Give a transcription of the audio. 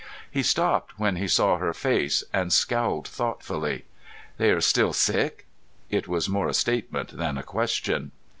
He stopped when he saw her face, and scowled thoughtfully. "They are still sick?" It was more a statement than a question.